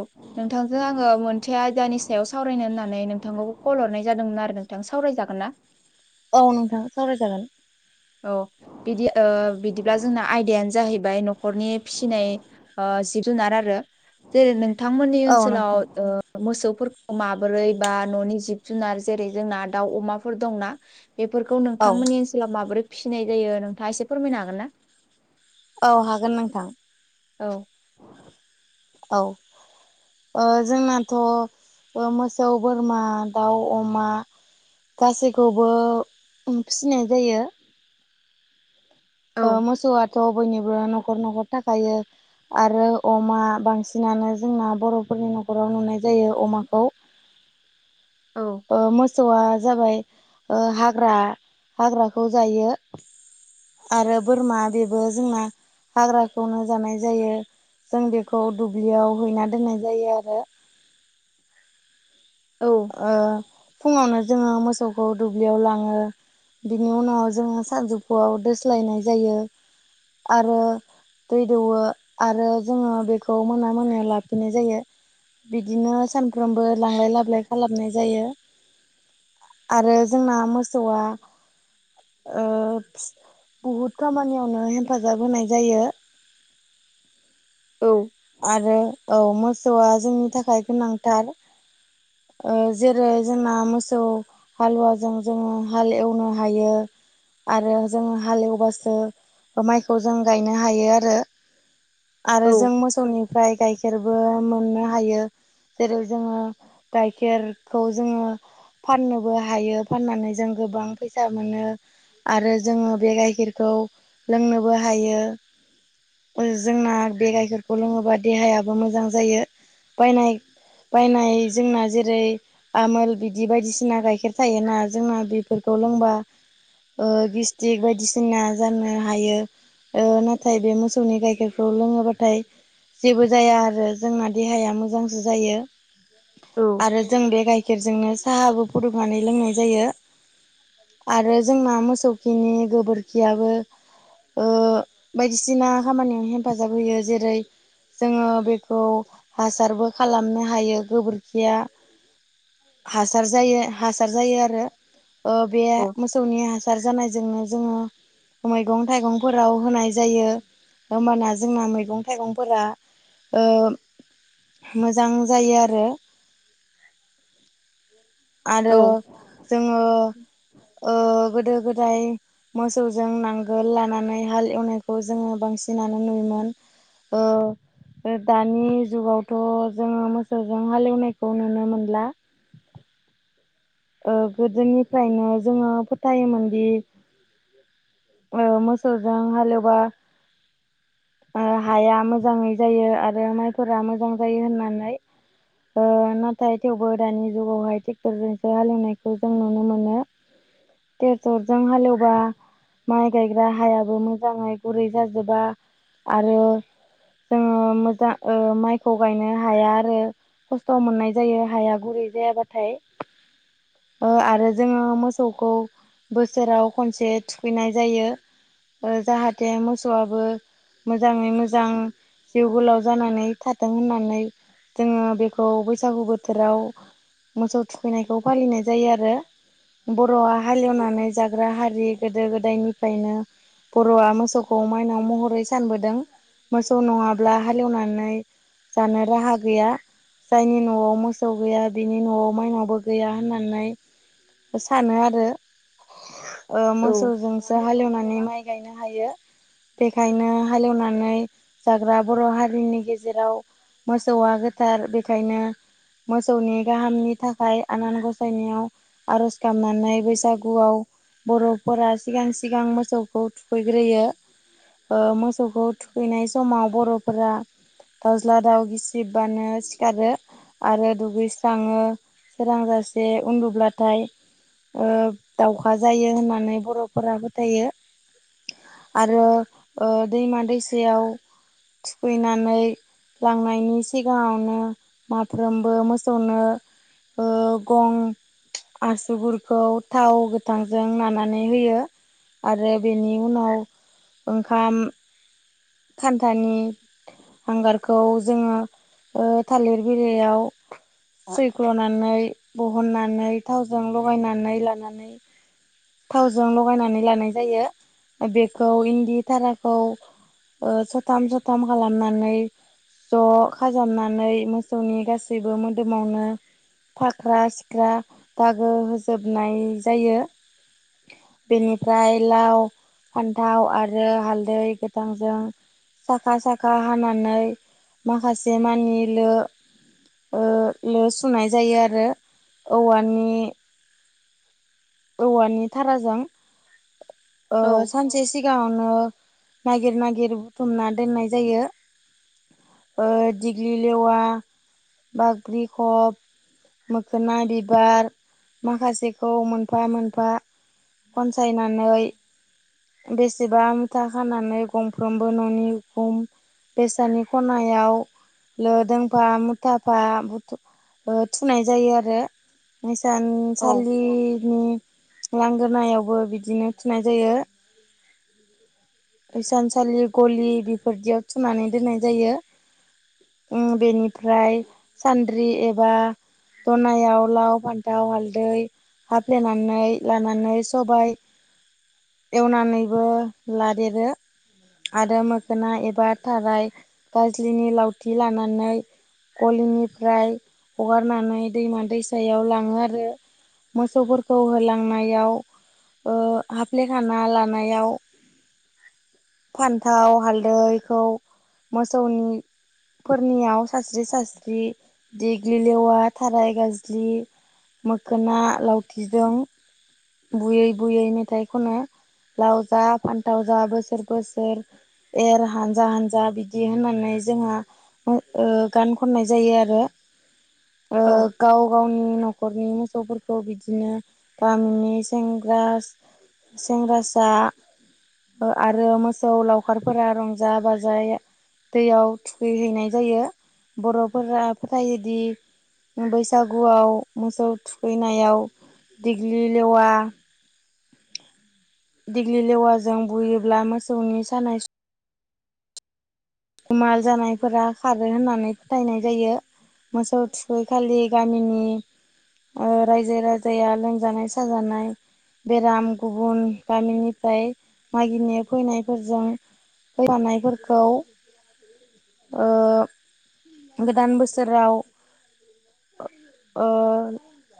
औ नोंथांजों आङो मोनसे आयदानि सायाव सावरायनो होननानै नोंथांखौ कल हरनाय जादोंमोन आरो नों नोंथां सावरायजागोन ना औ नोंथां सावरायजागोन। औ बिदि बिदिब्ला जोंना आयदायानो जाहैबाय नखर नखरनि फिसिनाय जिब जुनार आरो जेरै नोंथांमोननि औ ओनसोलाव। नोंथां मोसौफोरखौ माबोरै बा न'नि जिब जुनार जेरै जोंना दाउ अमाफोर दंना बेफोरखौ औ नोंथांमोननि ओनसोलाव माबोरै फिसिनाय जायो नोंथाङा एसे फोरमायनो हागोन ना। औ हागोन नोंथां औ। औ। जोंनाथ' मोसौ बोरमा दाउ अमा। गासैखौबो फिसिनाय जायो औ मोसौआथ' बयनिबो न'खर न'खर थाखायो। आरो अमा बांसिनानो जोंना बर'फोरनि न'खराव नुनाय जायो अमाखौ। औ मोसौआ जाबाय हाग्रा हाग्राखौ जायो। आरो बोरमा बेबो जोंना हाग्राखौनो जानाय जायो। जों बेखौ दुब्लियाव हैना दोननाय जायो आरो औ फुंङावनो जोंङो मोसौखौ दुब्लियाव लांङो बिनि उनाव जोंङो सानजौफुआव दोस्लायनाय जायो आरो दै दौवो आरो जोंङो बेखौ मोना मोना लाफिनाय जायो। बिदिनो सानफ्रोमबो लांलाय लाबोलाय खालामनाय जायो। आरो जोंना मोसौआ बहुद खामानियावनो हेफाजाब होनाय जायो। औ। आरो औ मोसौआ जोंनि थाखाय गोनांथार जेरै जोंना मोसौ हालुवाजों जोंङो हाल एवनो हायो। आरो जोंङो हालेवबासो माइखौ जों गायनो हायो आरो आरो जों मोसौनिफ्राय गाइखेरबो मोननो हायो। जेरै जोंङो गाइखेरखौ जोंङो। फाननोबो हायो फाननानै जों गोबां फैसा मोनो। आरो जोंङो बे गाइखेरखौ लोंनोबो हायो। जोंना बे गायफोरखौ लोंङोबा देहायाबो मोजां जायो बायनाय बायनाय जोंना जेरै। आमोल बिदि बायदिसिना गाइखेर थायोना जोंना बेफोरखौ लोंबा गस्टिक बायदिसिना जानो हायो। ओ नाथाय बे मोसौनि गाइखेरफ्राव लोङोब्लाथाय जेबो जाया आरो जोंना देहाया मोजांसो जायो। औ। आरो जों बे गाइखेरजोंनो साहाबो फुदुंनानै लोंनाय जायो आरो जोंना मोसौ खिनि गोबोरखियाबो बायदिसिना खामानियाव हेफाजाब होयो जेरै। जोङो बेखौ हासारबो खालामनो हायो गोबोरखिया हासार जायो हासार जायो आरो बे औ मोसौनि हासार जानाय। जोंहा मैगं-थाइगंफोराव होनाय जायो होनबा ना जोंहा थाइगंफोरा मोजां जायो आरो [inaudible] आरो जोंङो गोदो गोदाय मोसौजों नांगोल लानानै हाल एवनायखौ जोंङो बांसिनानो नुयोमोन। औ दानि जुगावथ' जोंङो मोसौजों हालेवनायखौ नुनो मोनला गोदोनिफ्रायनो जोंङो फोथायोमोनदि मोसौ जों हालेवबा हाया मोजांङै जायो आरो माइफोरा मोजां जायो होननानै नाथाय थेवबो दानि जुगावहाय ट्रेक्टरजोंसो हालेवनायखौ जों नुनो मोनो टेक्टरजों हालेवबा माइ गायग्रा हायाबो मोजांङै गुरै जाजोबा आरो जोंङो मोजां माइखौ गायनो हाया आरो खस्थ' मोननाय जायो हाया गुरै जायाबाथाय आरो जोंङो मोसौखौ बोसोराव खनसे थुखैनाय जायो जाहाथे मोसौआबो मोजांङै मोजां जिउ गोलाव जानानै थाथों होननानै जोंङो बेखौ बैसागु बोथोराव मोसौ थुखैनायखौ फालिनाय जायो आरो बर'आ हालेवनानै जाग गोदायनिफ्रायनो बर'आ मोसौखौ माइनाव महरै सानबोदों मोसौ नङाब्ला हालेवनानै जानो राहा गैया जायनि न'आव मोसौ गैया बिनि न'आव माइनावबो गैया होननानै सानो आरो। मोसौजोंसो हालेवनानै माइ गायनो हायो बेखायनो हालेवनानै जाग्रा बर' हारिनि गेजेराव मोसौआ गोथार बेखायनो मोसौनि गाहामनि थाखाय आनान गसायनायाव आर'ज खालामनानै बैसागुआव बर'फोरा सिगां सिगां मोसौखौ थुखैग्रोयो मोसौ मोथौखौ थुखैनाय समाव बर'फोरा दावज्ला दाउ गिसिबबानो सिखारो आरो दुगैस्राङो सोरांजासे उन्दुब्लाथाय दावखा जायो होननानै बर'फोरा फोथायो। आरो दैमा दैसायाव थुखैनानै लांनायनि सिगाङावनो माफ्रोमबो मोसौनो ओ गं आसुगुरखौ थाव गोथांजों नानानै होयो। आरो बेनि उनाव ओंखाम खानथानि हांगार खौ जोङो थालिर बिलाइयाव सैख्ल'नानै बहननानै थावजों लगायनानै लानानै थावजों लगायनानै लानाय जायो बेखौ इन्दि थाराखौ सथाम सथाम खालामनानै ज' खाजाबनानै मोसौनि गासैबो मोदोमावनो फाख्रा सिख्रा दागो होजोबनाय जायो। बेनिफ्राय लाव फान्थाव आरो हालदै गोथांजों साखा साखा हानानै माखासे मानिलो ल' सुनाय जायो आरो औवानि औवानि थाराजों औ सानसे सिगाङावनो नागिर नागिर बुथुमना दोननाय जायो। दिग्लि लेवा बाख्रि खब मोखोना बिबार माखासेखौ मोनफा मोनफा बनसायनानै बेसेबा मुथा खानानै गंफ्रोमबो न'नि गुम बेसादनि खनायाव लोदोंफा मुथाफा थुनाय जायो आरो। औ सानसालिनि लांगोनायावबो बिदिनो थिनाय जायो। सानसालि गलि बेफोरदियाव थुनानै दोननाय जायो। उ बेनिफ्राय सान्द्रि एबा दनायाव लाव - फान्थाव हालदै हाफ्लेनानै लानानै सबाय एवनानैबो ला। देरो। आरो मोखोना एबा थाराय गाजलिनि लावथि लानानै गलिनिफ्राय हगारनानै दैमा दैसायाव लाङो आरो। मोसौफोरखौ होलांनायाव हाफ्लेखाना लानायाव फान्थाव हालदैखौ मोसौनि फोरनियाव सास्रि सास्रि देग्लिलेवा थाराय गाज्लि मोखोना लावथिजों बुयै बुयै मेथाइ खनो लाव जा फान्थाव जा बोसोर बोसोर एर हानजा हानजा बिदि होननानै जोङो। गान खननाय जायो आरो। औ गाव गावनि न'खरनि मोसौफोरखौ बिदिनो गामिनि सेंग्रा सेंग्रासा आरो मोसौ लावखारफोरा रंजा बाजा दैयाव थुखैहैनाय जायो बर'फोरा फोथायोदि बैसागुआव मोसौ थुखैनायाव दिग्लि लेवा दिग्लि लेवाजों बुयोब्ला मोसौनि सानाय सुनाय जानायफोरा खारो होननानै फोथायनाय जायो मोसौ थुखै खालि गामिनि ओ रायजो राजाया लोमजानाय साजानाय बेराम गुबुन गामिनिफ्राय मागिनो फैनायफोरजों फैफानायफोरखौ ओ गोदान बोसोराव ओ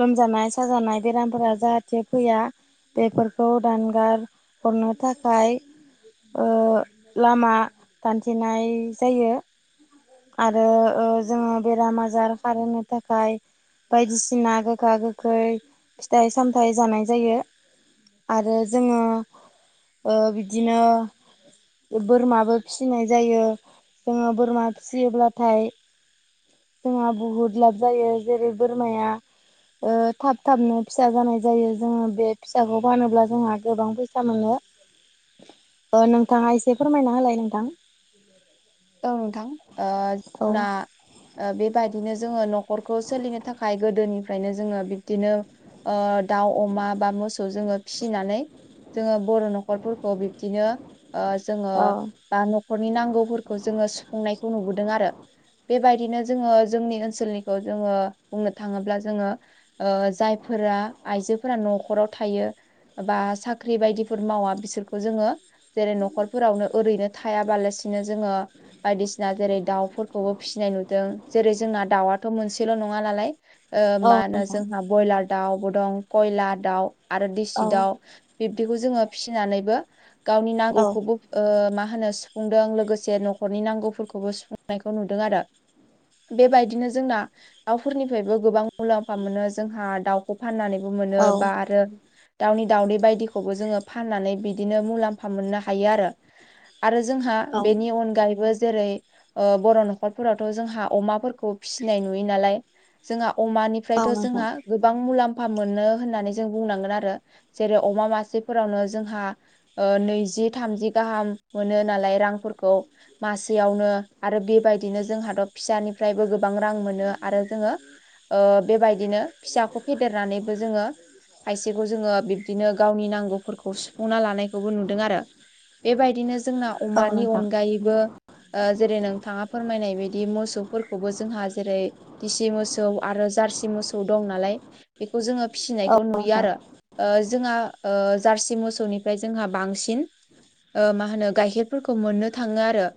लोमजानाय साजानाय बेरामफोरा जाहाथे फैया बेफोरखौ दानगार हरनो थाखाय ओ लामा दानथेनाय जायो आरो ओ जोङो बेराम आजार खारहोनो थाखाय बायदिसिना गोखा गोखै फिथाइ सामथाइ जानाय जायो आरो जोङो ओ बिदिनो बोरमाबो फिसिनाय जायो जोङो बोरमा फियोब्लाथाय जोंहा बहुद लाब जायो जेरै बोरमाया ओ थाब थाबनो फिसा जानाय जायो जोङो बे फिसाखौ फानोब्ला जोंहा गोबां फैसा मोनो। [inaudible] नोंथाङा एसे फोरमायना होलाय नोंथां औ नोंथां ओ औ जोंना ओ बेबायदिनो जोङो न'खरखौ सोलिनो थाखाय गोदोनिफ्रायनो जोङो बिब्दिनो ओ दाउ अमा बा मोसौ खौ जोङो फिसिनानै जोङो बर' न'खरफोरखौ बिब्दिनो जोङो औ बा न'खरनि नांगौफोरखौ जोङो सुफुंनायखौ नुबोदों आरो। बेबायदिनो जोङो जोंनि ओनसोलनिखौ जोङो बुंनो थाङोब्ला जोङो ओ जायफोरा आइजोफोरा न'खराव थायो एबा साख्रि बायदिफोर मावा बिसोरखौ जोङो जेरै न'खरफोरावनो ओरैनो थायाबालासिनो जोङो बायदिसिना जेरै दाउफोरखौबो फिसिनाय नुदों जेरै जोंना दाउआथ' मोनसेल' नङा नालाय ओ मा होनो नोंथां जोंहा ब्रयलार दाउबो दं कयलार दाउ आरो औ दिसि दाउ बिब्दिखौ जोङो फिसिनानैबो गावनि औ नांगौखौबो ओ मा होनो सुफुंदों लोगोसे न'खरनि नांगौफोरखौबो सुफुंनायखौ नुदों आरो बेबायदिनो जोंना दाउफोरनिफ्रायबो गोबां मुलाम्फा मोनो जोंहा दाउ खौ फाननानैबो मोनो औ बा आरो दाउनि दाउदै बायदिखौबो जोङो फाननानै बिदिनो मुलाम्फा मोननो हायो आरो आरो जोंहा औ बेनि अनगायै बो जेरै ओ बर' न'खरफोरावथ' जोंहा अमाफोरखौ फिसिनाय नुयो नालाय जोंहा औ अमानिफ्रायथ' नोंथां जोङो गोबां मुलाम्फा मोनो होननानै जों बुंनांगोन आरो जेरै अमा मासेफोरावनो जोंहा नैजि थामजि गाहाम मोनो नालाय रांफोरखौ मासेयावनो आरो बेबायदिनो जोंहाथ' फिसानिफ्रायबो गोबां रां मोनो आरो जोङो ओ बेबायदिनो फिसाखौ फेदेरनानैबो जोङो खायसेखौ जोङो बिब्दिनो गावनि नांगौफोरखौ सुफुंना लानाय खौबो नुदों आरो बेबायदिनो जोंना औ अमानि नोंथां अनगायैबो जेरै नोंथाङा फोरमायनाय बायदि मोसौफोरखौबो जोंहा जेरै दिसि मोसौ आरो जार्सि मोसौ दं नालाय बेखौ जोङो औ फिसिनायखौ नुयो नोंथां आरो ओ जोंहा ओ जारसि मोसौनिफ्राय जोंहा बांसिन बांसिन मा होनो गाइखेरफोरखौ मोननो थाङो आरो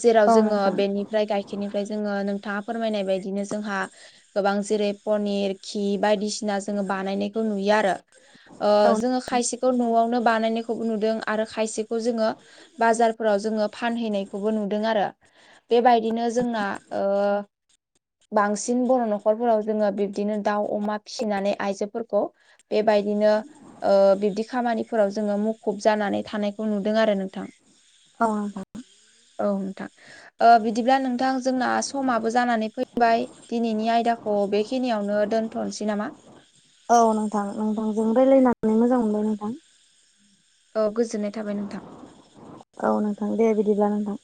जेराव औ जोङो नोंथां बेनिफ्राय गाय खेरनिफ्राय जोङो नोंथाङा फोरमायनाय बायदिनो जोंहा गोबां जेरै पनिर घि बायदिसि सिना जोङो बानायनायखौ नुयो आरो ओ औ जोङो खायसेखौ न'आवनो बानायनायखौ नुदों आरो खायसेखौ जोङो बाजारफोराव जोङो फानहैनायखौबो नुदों आरो बेबायदिनो जोंना ओ बांसिन बर' न'खरफोराव जोङो बिब्दिनो दाउ अमा फिसिनानै आइजोफोरखौ बेबायदिनो ओ बिब्दि खामानिफोराव जोङो मुखुब जानानै थानायखौ नुदों आरो नोंथां अ औ नोंथां ओ बिदिब्ला नोंथां जोंना समाबो जानानै फैबाय दिनैनि आयदाखौ बेखिनियावनो दोनथनोसै नामा औ नोंथां नोंथांजों रायज्लायनानै मोजां मोनबाय नोंथां औ गोजोननाय थाबाय नोंथां औ नोंथां दे बिदिब्ला नोंथां